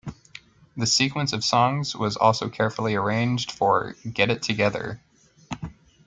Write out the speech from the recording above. The sequence of songs was also carefully arranged for "Get It Together".